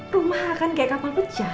rumah akan kayak kapal pecah